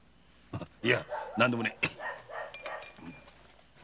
いや何でもねえ。